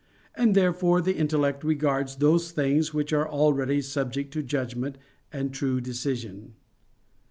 And therefore the intellect regards those things which are already subject to judgment and true decision."